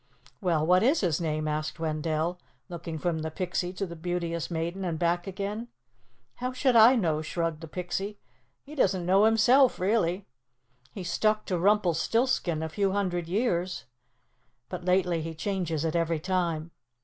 "Well, what is his name?" asked Wendell, looking from the Pixie to the Beauteous Maiden and back again. "How should I know?" shrugged the Pixie. "He doesn't know, himself, really. He stuck to Rumpelstiltskin a few hundred years, but lately he changes it every time.